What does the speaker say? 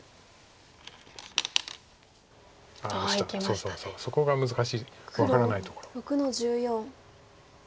そうそうそうそこが難しい分からないところ。